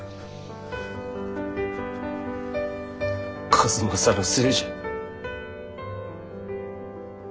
数正のせいじゃ。